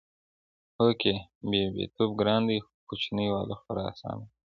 هو کې! بيبيتوب ګران دی خو کچنۍ واله خورا اسانه ده